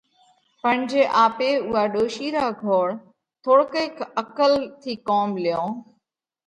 پڻ جي آپي اُوئا ڏوشِي را گھوڙ، ٿوڙڪئِيڪ عقل ٿِي ڪوم ليون